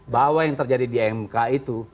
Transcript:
bahwa yang terjadi di mk itu